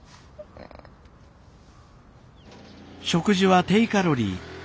食事は低カロリー